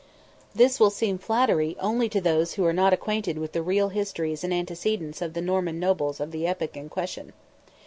(This will seem flattery only to those who are not acquainted with the real histories and antecedents of the Norman nobles of the epoch in question.)